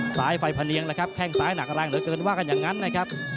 ซ้ายไฟพะเนียงแล้วครับแข้งซ้ายหนักแรงเหลือเกินว่ากันอย่างนั้นนะครับ